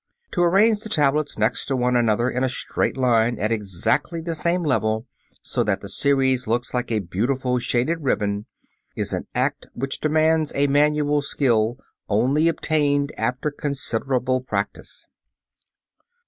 To arrange the tablets next to one another in a straight line at exactly the same level, so that the series looks like a beautiful shaded ribbon, is an act which demands a manual skill only obtained after considerable practise.